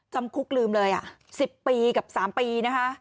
จำคุกลืมเลย๑๐ปีกับ๓ปีนะคะ